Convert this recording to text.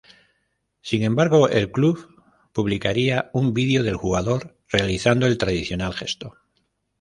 Sin embargo, el club publicaría un vídeo del jugador realizando el tradicional gesto.